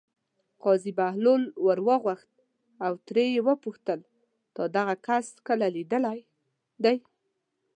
قاضي بهلول ور وغوښت او ترې ویې پوښتل: تا دغه کس کله لیدلی دی.